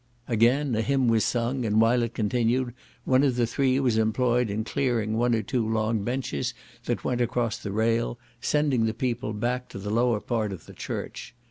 Again a hymn was sung, and while it continued, one of the three was employed in clearing one or two long benches that went across the rail, sending the people back to the lower part of the church.